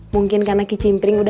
tunggu sebentar aku mau coba